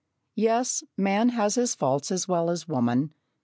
Yes, man has his faults as well as woman.